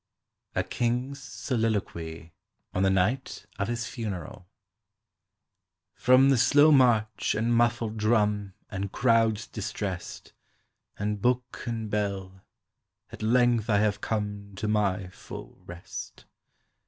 A KING'S SOLILOQUY ON THE NIGHT OF HIS FUNERAL FROM the slow march and muffled drum And crowds distrest, And book and bell, at length I have come To my full rest.